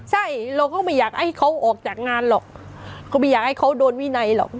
ใช่เราก็ไม่อยากให้เขาออกจากงานหรอกเขาไม่อยากให้เขาโดนวินัยหรอก